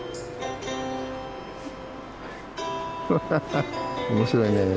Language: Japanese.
ハハハ面白いね。